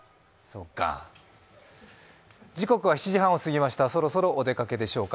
時刻は７時半を過ぎました、そろそろお出かけでしょうか。